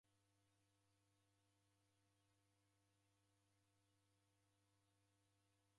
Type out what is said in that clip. Wawegala tarehe murongodadu na imweri